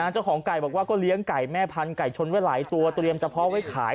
เจ้าของไก่บอกว่าก็เลี้ยงไก่แม่พันธุไก่ชนไว้หลายตัวเตรียมเฉพาะไว้ขาย